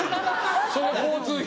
その交通費。